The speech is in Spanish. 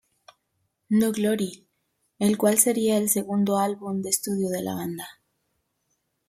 No Glory., el cual sería el segundo álbum de estudio de la banda.